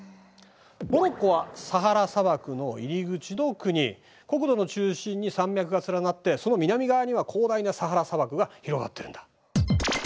モロッコはサハラ砂漠の入り口の国国土の中心に山脈が連なってその南側には広大なサハラ砂漠が広がっているんだ。